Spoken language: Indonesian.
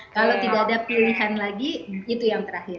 kalau tidak ada pilihan lagi itu yang terakhir